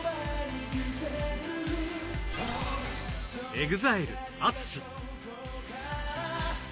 ＥＸＩＬＥ・ＡＴＳＵＳＨＩ。